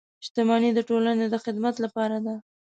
• شتمني د ټولنې د خدمت لپاره ده.